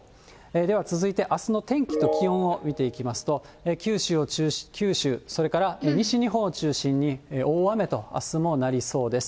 では、続いてあすの天気と気温を見ていきますと、九州、それから西日本を中心に大雨と、あすもなりそうです。